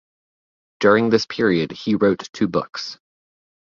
During this period he wrote two books.